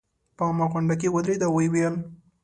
په عامه غونډه کې ودرېد او ویې ویل.